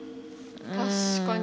確かに。